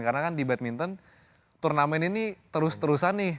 karena kan di badminton turnamen ini terus terusan nih